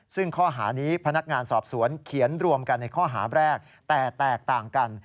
ซึ่งข้อหานี้พนักงานสอบสวนเขียนรวมกันในข้อหาแรกแต่แตกต่างกัน